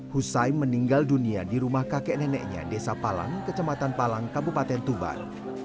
hussai meninggal dunia di rumah kakek neneknya desa palang kecamatan palang kabupaten tuban